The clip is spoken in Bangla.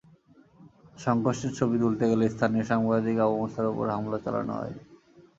সংঘর্ষের ছবি তুলতে গেলে স্থানীয় সাংবাদিক আবু মুসার ওপর হামলা চালানো হয়।